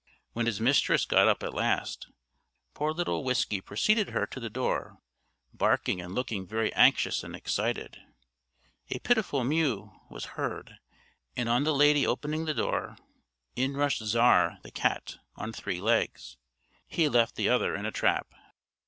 When his mistress got up at last, poor little Whiskey preceded her to the door, barking and looking very anxious and excited. A pitiful mew was heard, and on the lady opening the door, in rushed Czar the cat on three legs he had left the other in a trap.